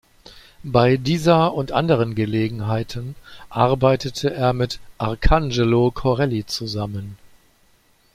Bei dieser und anderen Gelegenheiten arbeitete er mit Arcangelo Corelli zusammen.